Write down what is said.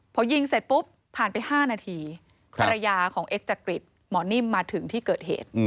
พอยิงเสร็จปุ๊บผ่านไป๕นาทีภรรยาของเอ็กจักริตหมอนิ่มมาถึงที่เกิดเหตุ